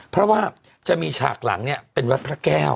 เพราะว่าจะมีฉากหลังเป็นวัดพระแก้ว